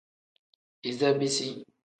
Iza bisi.